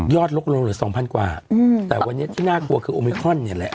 ยอดลกลงเหลือ๒๐๐๐กว่าแต่วันนี้ที่น่ากลัวคือโอเมคอนนี่แหละ